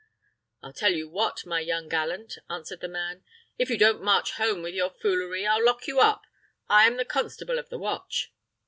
"I'll tell you what, my young gallant," answered the man, "if you don't march home with your foolery, I'll lock you up. I am the constable of the watch."